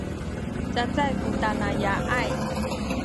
cacay ku tanaya’ay